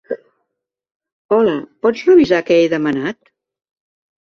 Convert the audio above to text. Hola pots revisar que he demanat?